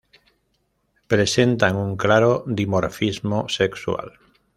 Presentan un claro dimorfismo sexual.